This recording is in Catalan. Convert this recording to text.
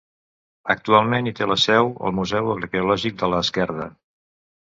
Actualment hi té la seu el Museu Arqueològic de l'Esquerda.